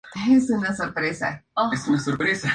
Estudió secundaria y fue a la universidad en Estambul.